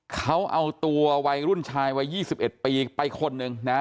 เขาเอาตัววัยรุ่นชายวัย๒๑ปีไปคนหนึ่งนะ